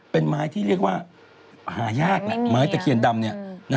เป็นไม้ที่เรียกว่าหายากแหละไม้ตะเคียนดำ